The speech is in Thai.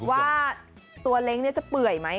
ว่าตัวเล้งจะเปื่อยไหม